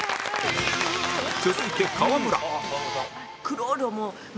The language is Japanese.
続いて川村